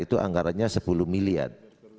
itu anggarannya sepuluh miliar